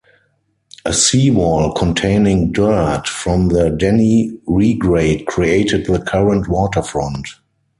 A seawall containing dirt from the Denny Regrade created the current waterfront.